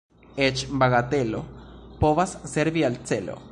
Eĉ bagatelo povas servi al celo.